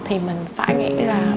thì mình phải nghĩ là